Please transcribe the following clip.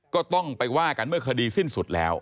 ก็ต้องไปว่ากันเมื่อคดีสิ้นสุดแล้ว